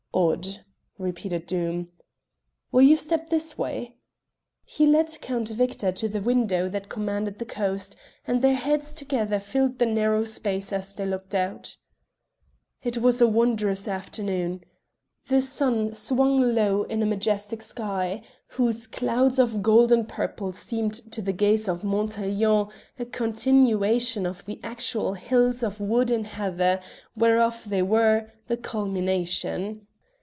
"Odd!" repeated Doom. "Will you step this way?" He led Count Victor to the window that commanded the coast, and their heads together filled the narrow space as they looked out. It was a wondrous afternoon. The sun swung low in a majestic sky, whose clouds of gold and purple seemed to the gaze of Montaiglon a continuation of the actual hills of wood and heather whereof they were, the culmination.